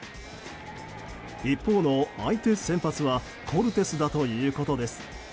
一方の相手先発はコルテスだということです。